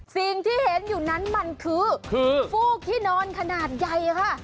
สิ่งที่เห็นอยู่นั้นมันคือฟูกขี้นอนขนาดใหญ่ค่ะ